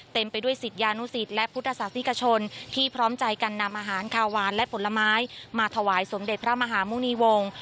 ไปด้วยศิษยานุสิตและพุทธศาสนิกชนที่พร้อมใจกันนำอาหารคาวานและผลไม้มาถวายสมเด็จพระมหาหมุณีวงศ์